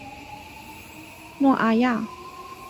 诺阿亚。